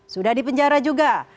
sudah dipenjara juga